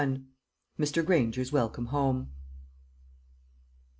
MR. GRANGER'S WELCOME HOME.